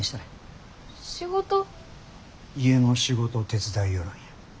家の仕事手伝いよるんや。